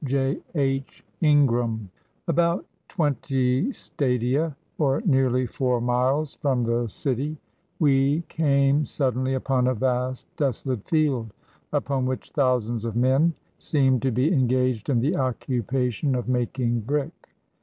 J. H. INGRAHAM About twenty stadia, or nearly four miles, from the city, we came suddenly upon a vast desolate field, upon which thousands of men seemed to be engaged in the occupation of making brick.